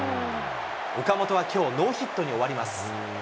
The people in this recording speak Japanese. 岡本はきょう、ノーヒットに終わります。